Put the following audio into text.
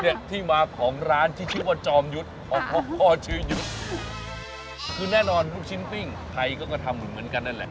เนี่ยที่มาของร้านที่ชื่อว่าจอมยุทธ์พ่อชื่อยุทธ์คือแน่นอนลูกชิ้นปิ้งไทยก็ก็ทำเหมือนกันนั่นแหละ